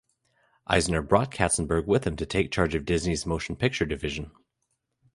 Eisner brought Katzenberg with him to take charge of Disney's motion picture division.